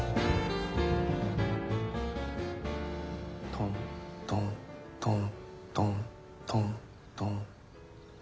トントントントントントン。